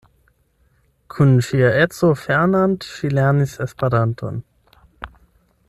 Kun ŝia edzo Fernand ŝi lernis Esperanton.